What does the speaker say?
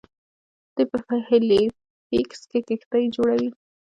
دوی په هیلیفیکس کې کښتۍ جوړوي.